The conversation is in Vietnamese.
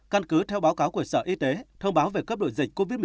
căn cứ theo báo cáo của sở y tế thông báo về cấp đổi dịch covid một mươi chín